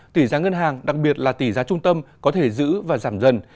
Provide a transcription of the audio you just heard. tỷ giá ngân hàng đặc biệt là tỷ giá trung tâm có thể giữ và giảm dần